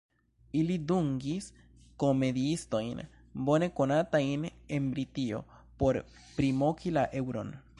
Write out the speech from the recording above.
Ili dungis komediistojn, bone konatajn en Britio, por primoki la eŭron.